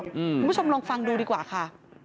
คุณผู้ชมลองฟังดูดีกว่าค่ะ